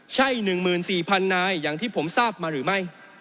ใช่๑๔๐๐๐นายอย่างที่ผมทราบมาหรือไม่